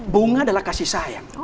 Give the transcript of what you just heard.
bunga adalah kasih sayang